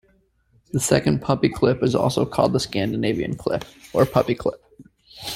The second puppy clip is also called the Scandinavian clip or puppy clip.